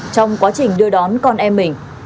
trong quá trình đưa đón con em mình